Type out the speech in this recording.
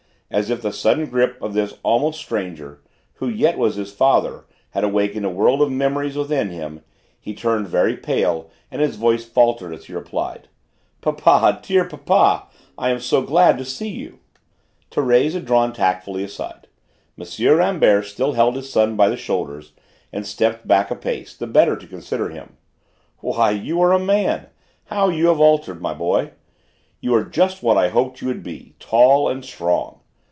As if the sudden grip of this almost stranger, who yet was his father, had awakened a world of memories within him, he turned very pale and his voice faltered as he replied: "Papa! Dear papa! I am so glad to see you!" Thérèse had drawn tactfully aside. M. Rambert still held his son by the shoulders and stepped back a pace, the better to consider him. "Why, you are a man! How you have altered, my boy! You are just what I hoped you would be: tall and strong!